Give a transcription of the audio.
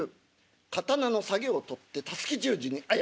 刀の下げを取ってたすき十字に。